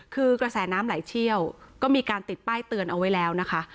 คือกระแสน้ำไหลเชี่ยวก็มีการติดป้ายเตือนเอาไว้แล้วนะคะ